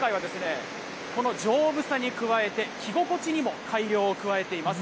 今回はこの丈夫さに加えて、着心地にも改良を加えています。